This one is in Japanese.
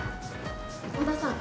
尾田さん